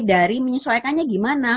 dari menyesuaikannya gimana